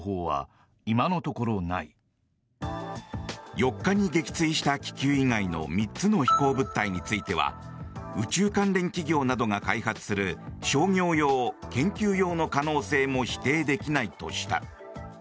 ４日に撃墜した気球以外の３つの飛行物体については宇宙関連企業などが開発する商業用・研究用の可能性も否定できないとした。